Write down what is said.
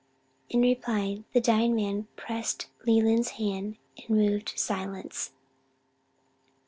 In reply the dying man pressed Leland's hand in moved silence.